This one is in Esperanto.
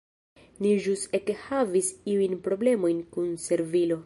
Ni ĵus ekhavis iujn problemojn kun servilo.